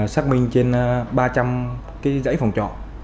xác minh trên ba trăm linh dãy phòng trọ